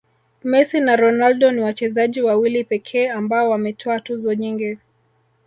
messi na ronaldo ni wachezaji wawili pekee ambao wametwaa tuzo nyingi